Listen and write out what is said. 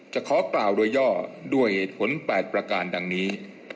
ขอกล่าวโดยย่อด้วยเหตุผล๘ประการดังนี้